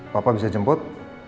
papa bisa jemput